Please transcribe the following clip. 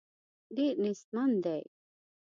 ډېر نېستمن دي.